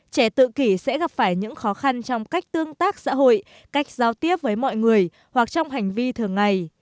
trẻ tự kỷ sẽ gặp phải những khó khăn trong cách tương tác xã hội cách giao tiếp với mọi người hoặc trong hành vi thường ngày